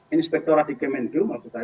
inspektorat di kemenju